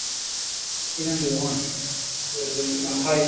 এখান থেকে ওকে বের করে নিয়ে যাবেন।